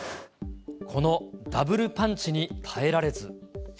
このダブルパンチに耐えられず。